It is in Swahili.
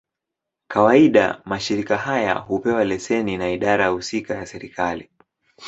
Kawaida, mashirika haya hupewa leseni na idara husika ya serikali.